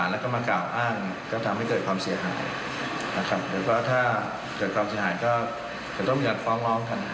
แล้วก็ถ้าเกิดความเสียหายก็จะต้องการฟ้องร้องทัน